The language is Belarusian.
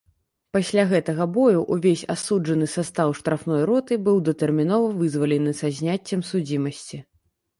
Пасля гэтага бою ўвесь асуджаны састаў штрафной роты быў датэрмінова вызвалены са зняццем судзімасці.